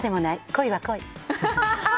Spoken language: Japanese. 恋は恋。